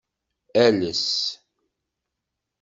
Ales.